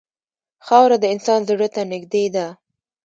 خاوره د انسان زړه ته نږدې ده.